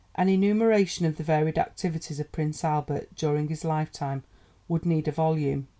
An enumeration of the varied activities of Prince Albert during his lifetime would need a volume.